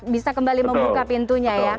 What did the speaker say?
bisa kembali membuka pintunya ya